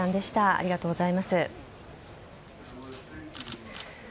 ありがとうございます。